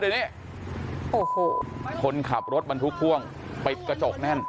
เดี๋ยวนี้โอ้โหคนขับรถบรรทุกพ่วงปิดกระจกแน่น